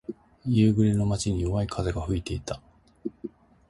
夕暮れの街に、弱い風が吹いていた。